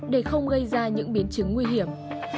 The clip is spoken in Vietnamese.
để không gây ra những biến chứng nguy hiểm